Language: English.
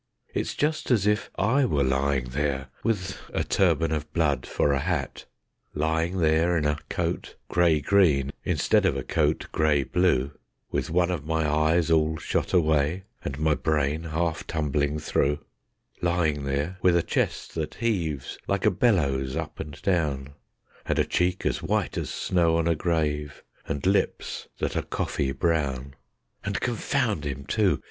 It's just as if I were lying there, with a turban of blood for a hat, Lying there in a coat grey green instead of a coat grey blue, With one of my eyes all shot away, and my brain half tumbling through; Lying there with a chest that heaves like a bellows up and down, And a cheek as white as snow on a grave, and lips that are coffee brown. And confound him, too!